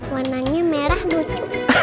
warnanya merah lucu